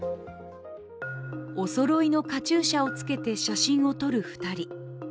おそろいのカチューシャをつけて写真を撮る２人。